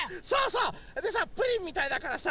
それでさプリンみたいだからさ。